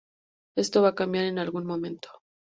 Esto va a cambiar en algún momento.